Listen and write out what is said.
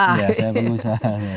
iya saya pengusaha